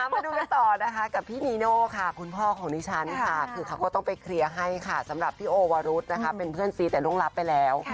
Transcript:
มาดูกันต่อนะคะกับพี่นีโน่ค่ะคุณพ่อของดิฉันค่ะคือเขาก็ต้องไปเคลียร์ให้ค่ะสำหรับพี่โอวรุธนะคะเป็นเพื่อนซีแต่ร่วงรับไปแล้ว